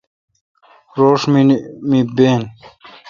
روݭ می بین۔